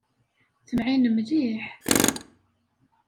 Temɛin mliḥ.